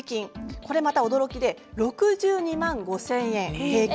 これまた驚きで６２万５０００円。